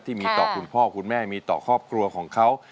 ที่มีต่อคุณพ่อคุณแม่มีต่อครอบครัวของเขา